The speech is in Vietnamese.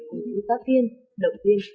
cùng thư giãn tiên động viên